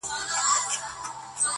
سپوږمۍ هغې ته په زاریو ویل ~